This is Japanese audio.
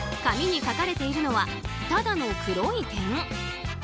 紙に書かれているのはただの黒い点。